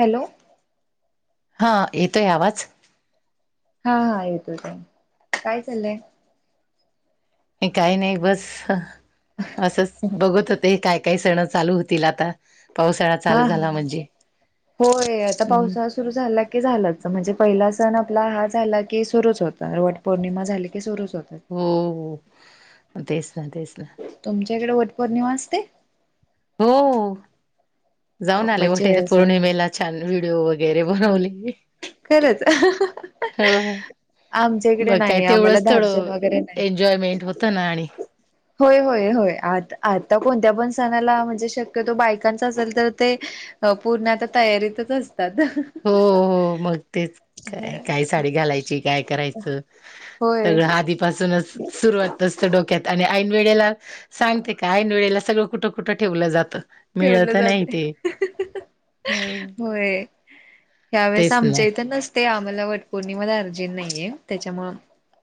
Hello हा येतोय आवाज हा हा येतोच आहे काय चाललंय हे काही नाही बस असच बघत होते हे काय काही सण चालू होतील आता पावसाळा हा चालू झाला हा म्हणजे होय आता हम्म पावसा सुरू झाला की झालाच म्हणजे पहिला सण आपला हा झाला की सुरूच होता वट पौर्णिमा झाली की सुरूच होतात हो तेच ना तेच ना कडे वट पौर्णिमा असते हो जाऊन आले होठे म्हणजे असं पौर्णिमेला छान व्हिडिओ वगैरे होवली खरंच आमच्या इकडे मग काय नाही आम्हाला तेवढंच धार्जन थोडं वगैरे नाही एन्जॉयमेंट होतं ना आणि होय होय होय आ आता कोणत्या पण सणाला म्हणजे शक्यतो बायकांचा असेल तर ते अ पूर्ण आता तयारीतचते हो हो मग तेच काय काय साडी घालायची काय करायचं होय सगळ आधीपासूनच सुरुवातचत डोक्यात आणि ऐन वेळेला सांगते का ऐन वेळेला सगळं कुठं कुठं ठेवलं जातं ठेवलं मिळत नाही जाते ते हो होय ह्यावेेळेस तेच ना आमच्या इथं नसते आम्हाला वटपौर्णिमाार नाहीे त्याच्यामुळे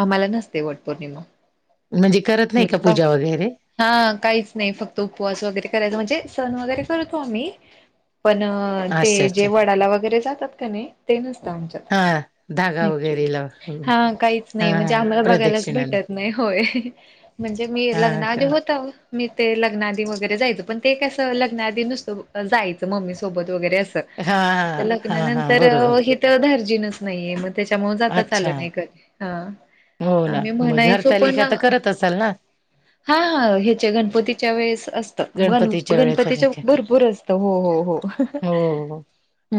आम्हाला नसते वट पौर्णिमा म्हणजे करत नाही का म्हणजे पूजा वगैरे हा काहीच नाही फक्त उपवास वगैरे करायच म्हणजे सण वगैरे करतो आम्ही पण ते अच्छा जे अच्छा वडाला वगैरे जातात का नाही ते नसतं आमच्यात हा धागा क्चुली वगैरे लाव हा काहीच हा नाही म्हणजे हा आम्हाला बघायलाच प्रदक्षिणाने भेटत नाही होय म्हणजे मी हा लग्ना आधी का होत मी ते लग्नाआधी वगैरे जायचं पण ते कसं लग्नाआधी नुसतं जायचं मम्मी सोबत वरे अस हा हा हा हा लगनंत बरोबर दारजीनच नाहीये त्याच्यामुळे जाता चालं अच्छा नाही कर हा हो ना आम्ही मग म्हणायचो पण घरतालिका तर करत असाल ना हा हा ह्याच्या गणपतीच्या वेळेस अस ग गणपतीच्या वेळेतरी गणपतीच्या भरपूर असत हो हो हो हो हो.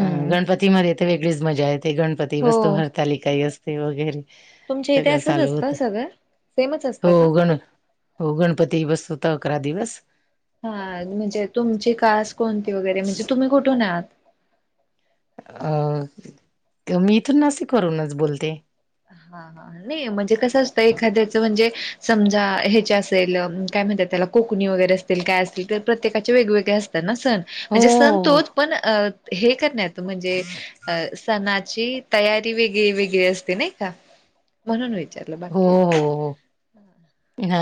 अ गणपती मध्ये तर वेगळीच मजा येते गणपती हो बसतो हरितालिकाही असते वगैरे तुमच्या इथे सगळं असंच चालू असतं होत सगळं सेमच हो असतं का गण हो गणपती बसतो तर अकरा दिवस हा म्हणजे तुमची कास कोणती वगैरे म्हणजे तुम्ही कुठून आहात अं मी इथ नसे करूनच बोलते हा हा नाही म्हणजे कसं असतं एखाद्याच म्हणजे समजा ह्याच्या असेल काय म्ह त्याला कोकणी वगैरे असतील काय असतील तर प्रत्येकाचे वेगवेगळे असतात सण हो म्हणजे सण तो पण हे करण्यात म्हणजे सणा तयारी वेगळी वेग असते नाही का म्हणून विचारलं हो बाकी हो हो हा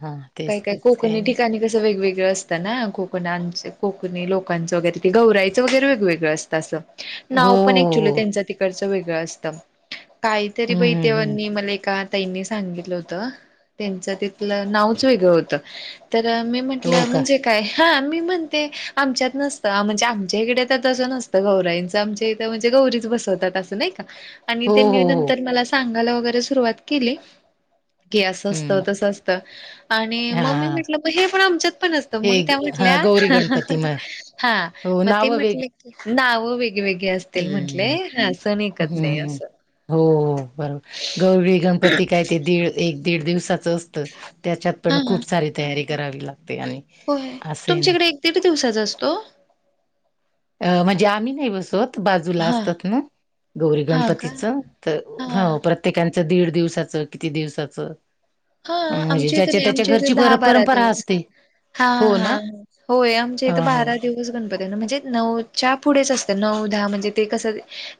हा काय तेच काय तेच काही कोकणी नाही ठिकाणी कसं वेगवेगळं असत ना कोकण कोकणी लोकांचं वगैरे ते गवरायचं वगैरे वेगवेगळं असतं असं हो नाव पण हो क्च्युली हो त्यांच तिकडचं वेगळं असतं काहीतरी हम्म बाई हम्म हम्म तेव्हानी मला एका ताईनी सांगितलं होत त्यांच तिथलं नाव वेगळं होत तर मी हो म्हंटलं का म्हणजे काय हा मी म्हणते आमच्यात नसतं म्हणजे आमच्या इकडे तर तसं नसतं गौराईंचं आमच्या इथ म्हणजे गौरीच बसवतात असं नाही आणि हो हो त्यांनी हो नंतर मला सांगायला वगैरे सुरुवात केली की अस असतं हम्म तसं असतं आणि हा मम्मी हा म्हटलं ब हे पण आमच्यात पण असतं हे मग त्या हा गौरी गणपती म म्हटल्या हा हो मग ते नाव वेगळी म्हटले की नाव वेगवेेगळे असतील म्हंटले हम्म ह असण एकच आहे हम्म असं हो बरोबर गौरी गणपती काय ते दीड एक दीड दिवसाचं असतं त्याच्यात पण खूप सारी तयारी करावी लागते आणि हो असे तुमच्याकडे एक दीड दिवसाचा असतो अ म्हणजे आम्ही नाही बसत बाजूला हा असतात ना गौरी हा का गणपतीच तर हा प्रत्येक त्या दीड दिवसाचं किती दिवसाचं हा म्हणजे आमच्या इथे ज्याच्या नाही त्याच्या आमच्या इथे घरची दहा पर बारा परंपरा दिवस असते हा हो हा ना होय आमच्या इथ हो बारा दिवस गणपतीना म्हणजे नऊ पुढेच असतं नऊ दहा म्हणजे ते कस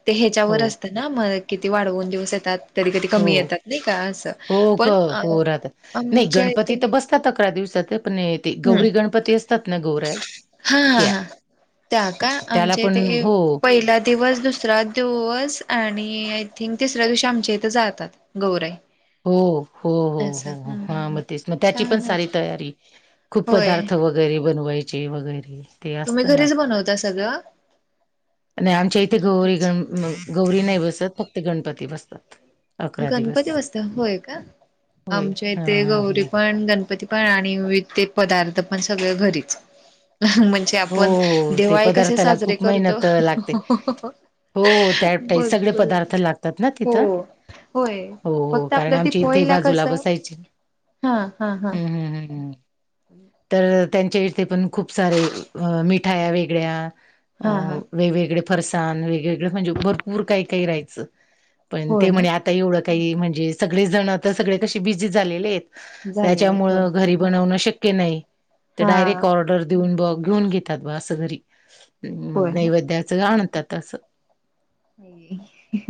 ते हो ह्याच्यावर हो असतं ना म किती वाढवून दिवस येतात तरी कधी कमी येतात नाही का असं हो हो क पण अ हो राहतात. नाही आमच्या इथे गणपती तर बसतात अकरा दिवसात पण हे हम्म गौरी गणपती असतात ना गौऱ्या हा हा त्या हा त्या का त्याला आमचे पण ते हो पहिला दिवस दुसरा दिवस आणि आणि आय थिंक तिसऱ्या दिवशी आच्या इथं जातात गौराई. हो हो हो असं हो हो हा हम्म मग तेच मग त्याची पण छानच सारी तयारी खूप होय पदार्थ वगैरे बनवायचे वगैरे. ते तुम्ही घरीच बनवता सगळं आणि आमचे ते गौरी घरीच गण गौरी न सत फक्त गणपती बसतात अकरा दिवस. गणपती बसता होय का होय आमच्या हा इथे हा गौरी हा पण गणपती. पण आणि वि ते पदार्थ पण सगळ घरीच म्हणजे हो आपण हो ते दिवाळी कसे पदार्थाला साजरे खूप करतो मेहनत लागते ह्ह्हहहह हो आ त्या टाई सगळे बरोबर पदार्थ लागतात ना हो तिथं होय हो हो फक्त कारण आपलं त आमच्या इथे दीपवाळीला कस बाजूला बसायचे हा हा हा ह हम्म हम्म हम्म हम्म. तर त्यांच्या इथे पण खूप सारे मिठाया वेगळ्या हा हा वेगवेगळे्या फरसाण वेगवेगळे म्हणजे भरपूर काही काही राहायचं पण होय ते ना म्हणे आता एवं म्हणजे सगळे जण कशे बिझी झालेले ये झालेले त्याच्यामुळ आहेत होय घरी बनवण शक्य ते नाही, ते डायरेक्ट हा ऑर्डर देऊन घेऊन घेती असं घरी म होय ना नैवेद्याचं आणतात असं.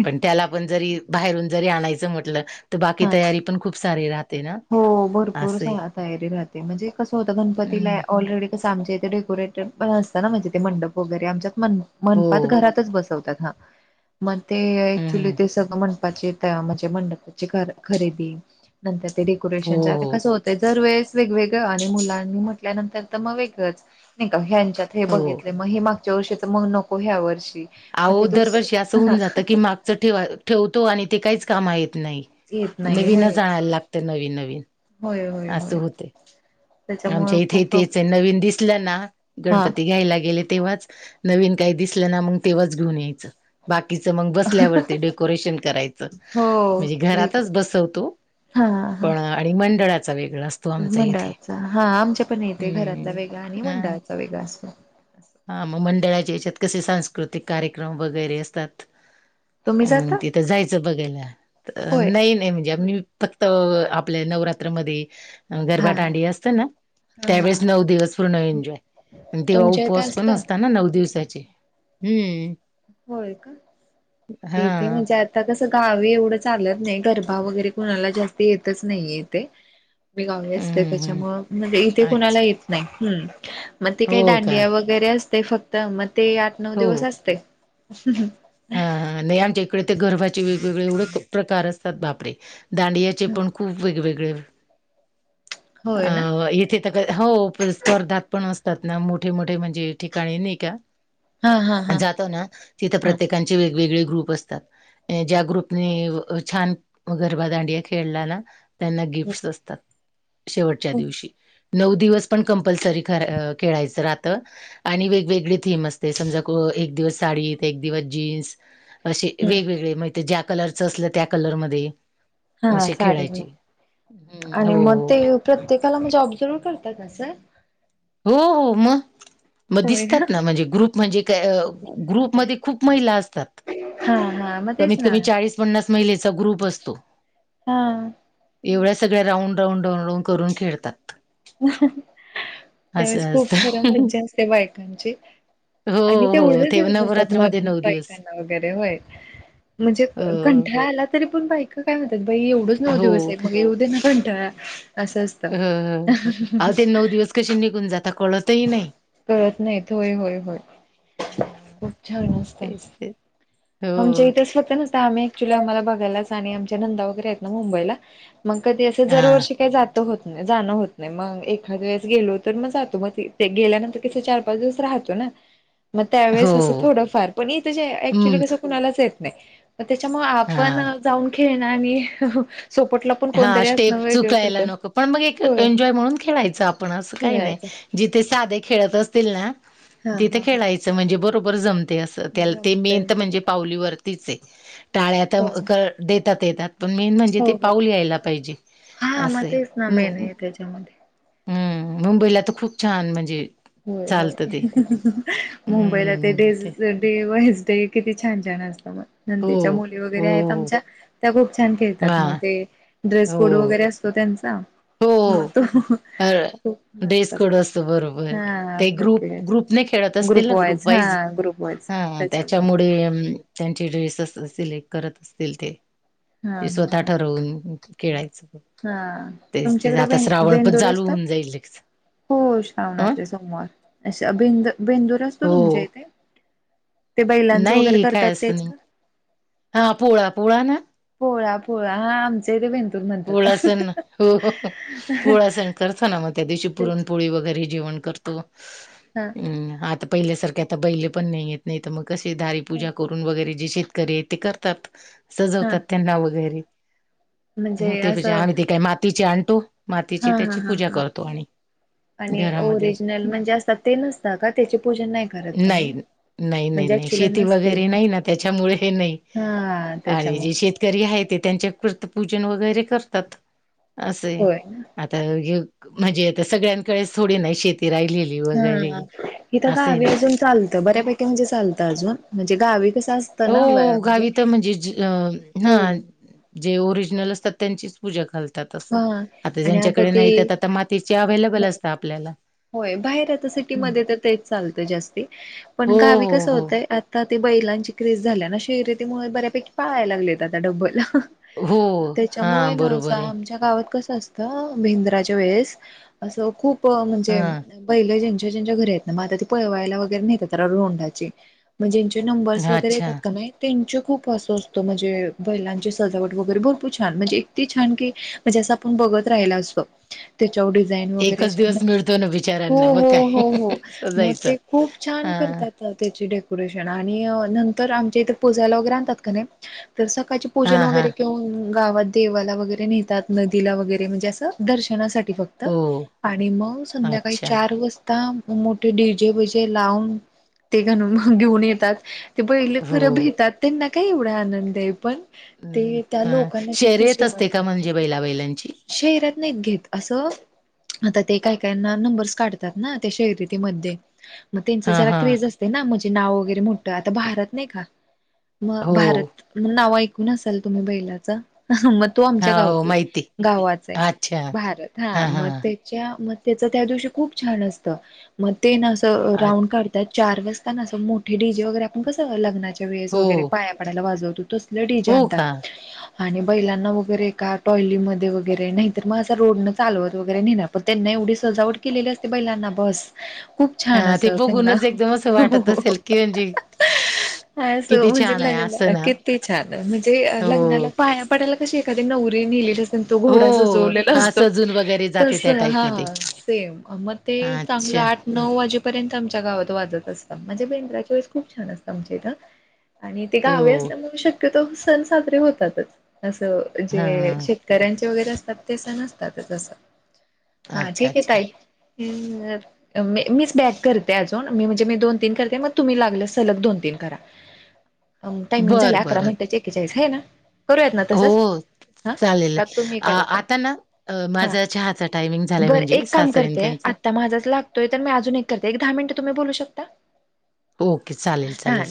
पण त्याला पण जरी बाहेरून जरी आणायचं म्हटलं तर बाकी हा तयारी पण खूप सारी राहत हो भरपूर तयारी राहते म्हणजे कसं होतं हम्म गणपतीला ऑलरेडी कसं आमच्या इथे े असत ना म्हणजे ते मंडप वगैरे आमच्या हो मंडपात घरातच बसवतात हा. मग ते हम्म ऍक्च्युली हम्म. ते सगळं मंडपाचे म्हणजे मंडपाची खरेदी नंतर ते हो डेकोरेशन ते कसं होत दरवेळेस वेगवेगळ आणि मुलांनी म्हटल्यानंतर तर मग वेगळंच नाही का हच्यात हे हो हो. बघितले मग हे माग र्श तर मग नको ह्या वर्षी मग ते अहो दरवर्षी असं दुसरं होऊन जात की मागच ठे ठेवतो आणि ते काहीच कामा येत नाही येत नाही नवीनच होय आणायला लागते नवीन नवीन होय होय अस होय होते. त्याच्यामुळे आमच्या इथे खूप तेच नवीन दिसलं ना हा गणपती घ्यायला गेले तेव्हाच नवीन काही दिसलं ना मग तेव्हाच घेऊन यायचं बाकी मग बसल्यावरती डेकोरेशन करायचं हो म्हणजे वेगळ घरातच बसवतो. हा हा पण आणि मंडळात मंडळाचा हा आमच्या पण येते घरातला हम्म वेगळा आणि ह मंडळाचा वेगळा असतो. हा मग मंडळाच्या याच्यात कसे सांस्कृतिक कार्यक्रम वगैरे असतात. तुम्ही मग जाता तिथं जायचं बघायला होय नाही नाही म्हणजे आी फक्त आपल्या नवरात्रामध्ये हा गरबा हा दांडिया असतं ना हा हा त्यावेळेस नऊ दिवस पूर्ण एन्जॉय तेव्हा तुमच्या इथं उपवास पण असतं. असतना नऊ दिवसाचे हम्म. होय का हा इथे म्हणजे आता कसं गावी एवढं चालत नाही घर भाव वगैरे कोणाला जास्ती येतच नाहीये इथे. मी गावी हम्म असते हम्म हम्म त्याच्यामुळ म्हणजे इथे कुणाला अच्छा येत नाही हम. मग ते काही हो का दांडिया वगैरे असते फक्त मग ते आठ नऊ हो दिवस असते. [unintelligible] हा हा नाय आमच्या इकडे छान ते गरबाचे वेगवेगळे एवढे प्रकार असतात बापरे! दांडग्याचे पण खूप वेगवेगळ होय ना अं इथे तर हो स्पर्धा पण असत तात ना मोठे मोठे म्हणजे ठिकाणी नाही का? हा हा हा जातो ना तिथं हा प्रत्येकांची वेगवेगळी. ग्रुप असतात. ए ज्या ग्रूप नी छान गरबा दांडिया खेळला ना. त्यांना गिफ्टस् असतात शेवटच्या दिवशी. नऊ दिवस पण कंपल्सरी खर खेळायचं राहत आणि वेगवेगळी थीम असते समजा क एक दिवस साडीत, एक दिवस जीन्स असे हम्म वेगवेगळे मते ज्या कलरच असलं त्या कलरमध्ये हा अशी साडी खेळायची म्हणून आणि हो. मग ते प्रत्येकाला म्हणजे ऑब्झर्व करतात असं? हो हो म! म होय का? दिसतात ना म्हणजे ग्रुप म्हणजे काय अं ग्रुपमध्ये खूप महिला असतात. हा हा मग तेच कमीत ना कमी चाळीस पन्नास महिलेचा ग्रुप असतो. हा! एवढ्या सगळ्या राऊंड राऊंड राऊंड करून खेळतात. त्यावेळेस असं खूप खरं असतं. मज्जा असते बायकांची. हो आणि हो तेवढेच ते दिवस असतात नवरात्रामध्ये नऊ [unintelligible] दिवस. बाईकांना वगैरे होय म्हणजे अ कंठाळा आला तरी पण बायक काय म्हणतात, बाई एवढंच नऊ हो दिवस आहेत मग येवूदे ना कंटाळा. असं असत अ अहो ते नऊ दिवस कसे निघून जाता कळतही नाही. कळत नाहीत. होय, होय, होय हम्म. खूप छान असता. तेच ते आमच्या हो इथेच फक्त नसत. आम्ही ॲक्च्युली आम्हाला बघायलाच आणि आमच्या नंदा वगैरे आहेत ना मुंबईला मग कधी असं हा जर वर्षी काय जात त जाण होत नाही. मग एखाद वेळेस गेलो तर म जातो. म ते गेल्यानंतर कि चार, पाच दिवस राह तो ना म हो त्यावेळेस आस थोडफार, पण इथं जे अक्च्युअली हम्म कसं कुणालाच येत नाही. त्याच्यामुळं आपण हा. जाऊन खेळणं आणि सोपटला पण हा कोणतरी स्टेप असणं वेगळं चुकायला पडतं नको पण म एक होय एन्जॉय म्हणून खेळायचं आपण. असं काय नाही खेळायचं जि ते साधे खेळत अस तील ना हा तिथं हा हा खेळायचं. म्हणजे बरोबर जमतय असं त्याला ते मेन जमतय तर म्हणजे पावलीवर तिचये टाळ्या त हो कर देता येतात. पण मेन म्हणजे हो ते हो पाऊल यायला पाहिजे हा मग आसय तेच ना म मेन आहे त्याच्यामध्ये हम्म मुंबईला तर खूप छान म्हणजे होय होय चालतं ते मुंबईला ते डेज डे वाईज ते किती छान छान असता मग हो नंदेच्या मुली वगैरे हो आहेत हो आमच्या त्या खुप छान खेळतात. हा मग ते ड्रेस कोड हो वगैरे असतो त्यांचा हो म अ तो खूप ड्रेस मस्त कोड असतो बरोब हा ते ग्रुप प्रत्येकाच्या ग्रुपने खेळत असतील ना ग्रुप हा वाईज ग्रुप वाईज हा हा त्याच्यामुळे त्याच्यामुडे अम त्यांचे ड्रेसस सिलेक्ट करत असतील ते. हा ते हा स्वतः हा ठरवून खेळायचं हा तेच ते तुमच्याकडे आता बें श्रावण पण बेंदूर चालू असतात हून जाईल. अ हो श्रावणातले सोमवार. आशा बेंद बेंदूर असतो तुमच्या हो इथे? ते बैलांचं वगैरे नाही करतात काय असतं तेच नाही का? हा पोळा पोळा ना पोळा, पोळा हा आमच्या इथे बेंद पोळा सण ना हो पोळा सण करतो ना, मग त्या दिवशी पुरण तेच पोळी वगैरे जेवण करतो हा अं आता पहिल्यासारखे आता बैल पण नाही येत. नाही तर मग कसे दारी पूजा करून वगैरे जे शेतकरी आहेत ते करतात, हा सजवतात त्यांना वगैरे हो म्हणजे ती पुजा असं आम्ही ते काय मातीचे आण हा मातीचे हा त्याची हा पूजा हा करतो. आणि आणि घरामध्ये ओरिजनल म्हणजे असतात ते नसत का? त्याचे पूजन नाही करत तुम्ही,, नाही नाही हम नाही शेती वगैरे नाही ना, त्याच्यामुळे नाही, हा आणि त्याच्यामुळे जे शेतकरी आहे ते त्यांच्या कृ पूजन वगैरे करतात,, असे,, होय ना. आता हे म्हणजे आता सगळ्यांकडेच थोडी नाही शेत हा इिथ असं आहे गावी ना. अजून चालत, बऱ्यापैकी म्हणजे चालतं अजून म्हणजे गावी कसं असतं ना हो, म्हणजे गावी तर म्हणजे हो ह जे ओरिजिनल असतात त्यांचीच पूजा घाल हा आता आणि आता ज्यांच्याकडे ते नाही त्यात आता मातीचे अवेलेबल असतात आपल्याला होय, बाहेर आता हम्म. सिटीमध्ये तर तेच चालतं जास्ती,, हो पण गावी हो कसं हो होतंय आता ते बैलांची क्रेज झाल्या ना शिरतीमुळे बऱ्यापैकी पाळाय लागलेत आ डबलं, हो हा त्याच्यामुळे ना असं बरोबर आहे. आमच्या कस असत बेंद्राच्या वेळेस असं खूप हा म्हणजे बैलं ज्याची घरी आहेत ना, म आता ती पळवायला वगैरे नेतात ना [inaudible] म ज्याची जे नंबर्स हा, वगैरे येतात अच्छा. का नाही, त्यांच्या खूप असं असतं, म्हणजे बैलांची सजावट वगैरे भरपूर छान,, म्हणजे इतकि छान कि म्हणजे असं आपण बघत राहिला असतो डीझाईन वगैरे एकच दिवस मिळतो ना बिचाऱ्यांना मग काय मग सजायचं. खुप छान हा हो हो त्याच डेकोरेशन आणि नंतर आमच्या इथे पूजयला वगैरे आणतात का नाही तर सकाळची हा पूजन हा वगैरे किंवा गावात देवाला वगैरे नेतात. नदीला वगैरे म्हणजे असं,, दर्शनासाठीऽ फक्त, हो आणि मग संध्याकाळी अच्छा चार वाजता मोठे डीजे बिजे लावून, ते घणुन घेऊन येतात. ते बैले खरं हो. भितात त्यांना काय एवढा आनंद आहे पणऽ हं, ते त्या हां. लोकांना किती शर्यत जेवन असते का म्हणजे बैला बैलांची? शहरत नाहीत घेत असं आता ते काही, काहीना नंबर्स काढतात ना ते शर्रीतीमध्ये मग त्यांचं हां, जरा हां. क्रेज असते ना, म्हणजे नाव वगैरे मोठं, आता भारत नाही का? मग हो. भारत मग नाव ऐकून असाल तुम्ही, बैलाच मग तो आमच्या हां, हो गावातलाय माहिती. गावाच आहे अच्छा. भारत हा हां, मग हां. त्याच्या म त्याच त्या दिवशी खूप छान असतं, मग ते नां असं अ रांउड काढतात म चार वाजता ना असं मोठे डीजे वगैरे आपण कस लग्नाच्या वेळेस हो. वगैरे पाया पडायला वाजवतो तस डीजे हो आणतात, का? आणि बैलांना वगैरे एका टॉयलीमध्ये वगैरे नाही तर मग असा रोड न चालवत वगैरे पण त्यांना एवढी सजावट केलेली असते बैलांना बस खूप छान हां, अस ते त्यांना बघूनच एकदम असं वाटत हो असेल की म्हणजे हाय असं किती म्हणजे छान आहे लग्नाला असं ना. किती छान म्हणजे लग्नाला हो. पाया पडायला तशी एखाद्या नवरी निली तस तो हो. घोडा सजवलेला हां, असतो सजून वगैरे जाते तस त्या हा टाईपमध्ये. सेम मग ते चग त अच्छा. आठ नऊ वाजेपर्यंत आमच्या गावात वाजत असतात म्हणजे बेंद्राच्या वेळेस खूपछान असतं आमच्या इथ आणि ते हो. गावी असल्यामुळे शक्यतो सण साजरे होतातच असं जे हां. श्य वगैरे असतात ते सण असतात तसं हा अच्छा, ठीक आहे अच्छा. ताई. मीच बॅक करते अजून मी म्हणजे मी दोन तीन करते मग तुम्ही सलग दोन तीन टाईमिंग झालय बरं, अकरा बरं. मिनट एकेचाळीस आह ना करूयात ना तसंच? हो हा, चालेल. का तुम्ही आ करा ताई, आता ना अ माझा चहाचा टायमिंग झालाय बरं म्हणजे एक काम सासरे अन् करते त्यांचं आता माझाच ला तोय तर मी अजून एक करते, एक दहा मिनट तुम्ही बोलू शकता? ओके चालेल, हा चालेल,